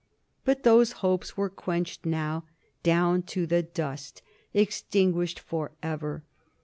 But those hopes were quenched now, down in the dust, extinguished forever.